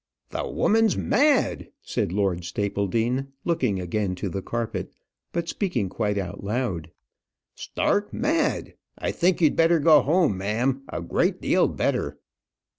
"The woman's mad," said Lord Stapledean, looking again to the carpet, but speaking quite out loud. "Stark mad. I think you'd better go home, ma'am; a great deal better."